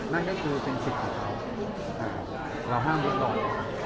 นั่นก็คือเป็นสิทธิ์ของเขาเราห้ามเรียบร้อย